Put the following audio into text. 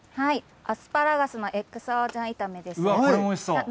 アスパラガスのＸＯジャン炒めです。